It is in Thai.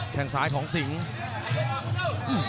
แค่งซ้ายของสิง